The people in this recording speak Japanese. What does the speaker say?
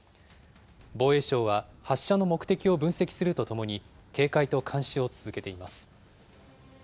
防衛省は発射の目的を分析するとともに、警戒と監視を続けています。